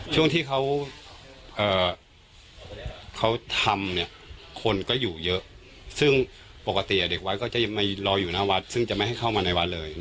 ช่วงที่เขาทำเนี่ยคนก็อยู่เยอะซึ่งปกติเด็กวัดก็จะมารออยู่หน้าวัดซึ่งจะไม่ให้เข้ามาในวัดเลย